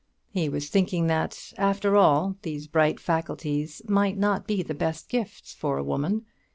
He was thinking that, after all, these bright faculties might not be the best gifts for a woman.